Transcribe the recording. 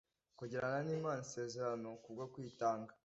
kugirana n’Imana isezerano kubwo kwitanga,